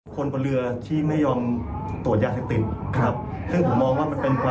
คนบนเรือที่ไม่ยอมตรวจยาเสพติดครับซึ่งผมมองว่ามันเป็นความ